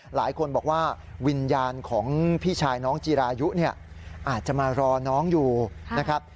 หลายคนบอกว่าวิญญาณของพี่ชายน้องจีรายุเนี่ยอาจจะมารอน้องอยู่นะครับ